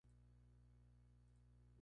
Tras el irá la esposa con su hija pequeña.